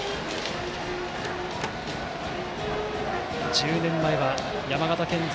１０年前は山形県勢